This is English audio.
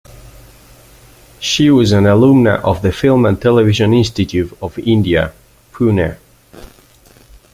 She was an alumna of the Film and Television Institute of India, Pune.